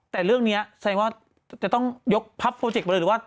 แต่เรื่องนี้แสดงว่าจะต้องยกพับโปรเจกต์มาเลยหรือว่า